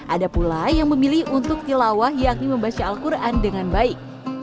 ada pula yang memilih untuk tilawah yakni membaca al quran dengan baik